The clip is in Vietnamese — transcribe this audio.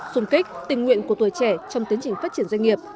dùng kích tình nguyện của tuổi trẻ trong tiến trình phát triển doanh nghiệp